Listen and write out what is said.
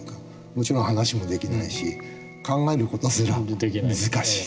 もちろん話もできないし考える事すら難しい。